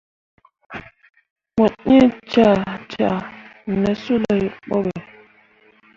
Mu ee cah cah ne suley boɓe.